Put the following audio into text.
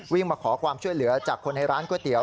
มาขอความช่วยเหลือจากคนในร้านก๋วยเตี๋ย